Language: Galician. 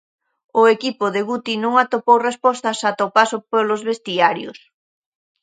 O equipo de Guti non atopou respostas ata o paso polos vestiarios.